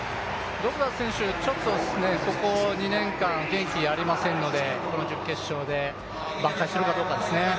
ドグラス選手、ここ２年間元気ありませんので、この準決勝で挽回するかどうかですね。